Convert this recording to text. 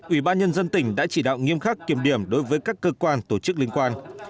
ubnd tỉnh đã chỉ đạo nghiêm khắc kiểm điểm đối với các cơ quan tổ chức liên quan